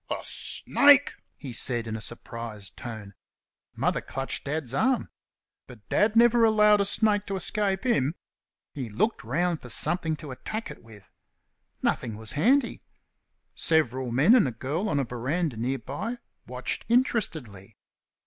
"A snake!" he said in a surprised tone. Mother clutched Dad's arm. But Dad never allowed a snake to escape him. He looked round for something to attack it with. Nothing was handy. Several men and a girl on a verandah near by watched interestedly.